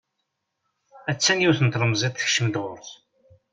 A-tt-an yiwet n tlemẓit tekcem-d ɣur-s.